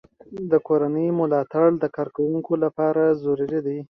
د کورنۍ ملاتړ د کارکوونکو لپاره ضروري دی.